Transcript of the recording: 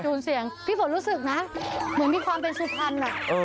เสียงพี่ฝนรู้สึกนะเหมือนมีความเป็นสุพรรณ